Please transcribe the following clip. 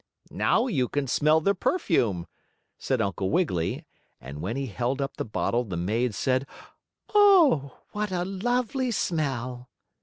"Now you can smell the perfume," said Uncle Wiggily, and when he held up the bottle the maid said: "Oh, what a lovely smell!"